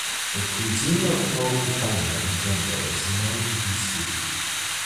The cuisine of northern China, in general, is known to be sweet.